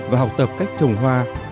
và học tập cách trồng hoa